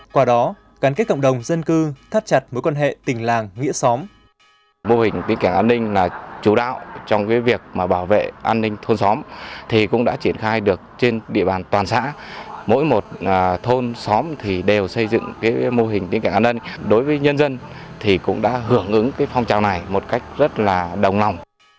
qua đó gắn kết cộng đồng dân cư thắt chặt mối quan hệ tình làng nghĩa xóm